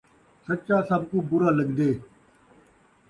سچا سب کوں برا لڳدے